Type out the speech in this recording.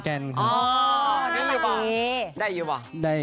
โชว์่าเต้นหน่อยรึเปล่า